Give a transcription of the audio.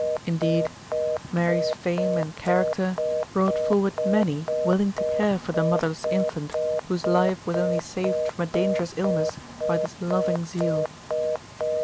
Indeed, Mary's fame and character brought forward maay willing to care for the motherless infant, whose life GIRLHOOD PATERNAL TROUBLES. 23 was only saved from a dangerous illness by this loving zeal.